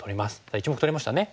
１目取れましたね。